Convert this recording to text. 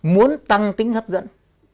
muốn tăng tính hấp dẫn